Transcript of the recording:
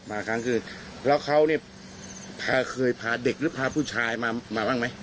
มาครั้งคืนแล้วเขาเนี่ยเคยพาเด็กหรือพาผู้ชายมามาบ้างไหม